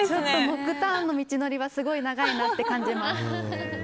「ノクターン」の道のりはすごい長いなと感じます。